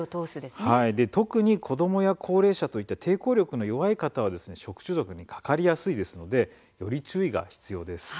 特に子どもや高齢者といった抵抗力が弱い方は食中毒にかかりやすいですのでより注意が必要です。